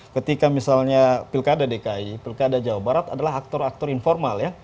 ketika misalnya pilkada dki pilkada jawa barat adalah aktor aktor informal ya